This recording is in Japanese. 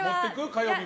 火曜日。